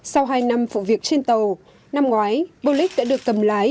sau hai năm phụ việc trên tàu năm ngoái bullock đã được cầm lái